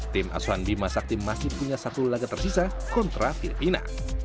tim aswan bimasaktim masih punya satu laga tersisa kontra filipina